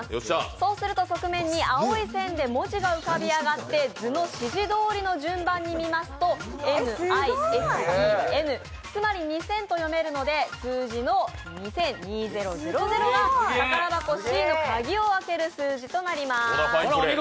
そうすると、側面に青い線で文字が浮かび上がって図の指示通りの順番に見ますと「Ｎ」「Ｉ」「Ｓ」「Ｅ」「Ｎ」つまりＮＩＳＥＮと読めるので数字の２０００が宝箱Ｃの鍵を開ける数字となります。